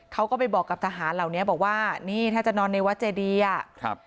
เขาก็ไปบอกกับทหารเหล่านี้บอกว่านี่ถ้าจะนอนในวัดเจดีอ่ะครับ